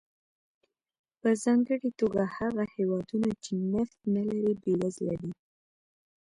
په ځانګړې توګه هغه هېوادونه چې نفت نه لري بېوزله دي.